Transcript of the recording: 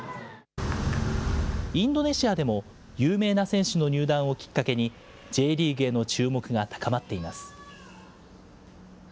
インドネシアでも有名な選手の入団をきっかけに、Ｊリーグへの注目が高まっています。